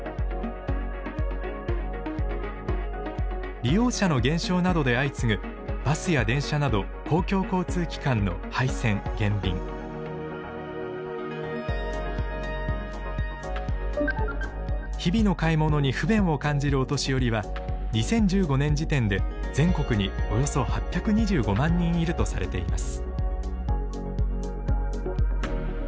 利用者の減少などで相次ぐバスや電車など日々の買い物に不便を感じるお年寄りは２０１５年時点で全国におよそ８２５万人いるとされています。